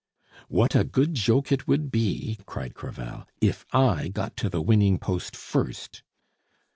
"What a good joke it would be!" cried Crevel, "if I got to the winning post first!"